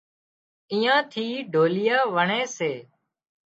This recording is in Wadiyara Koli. ايئان ٿِي ڍوليئا وڻي سي